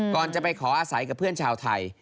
ก่อนจะไปขออาศัยกับเพื่อนชาวไทย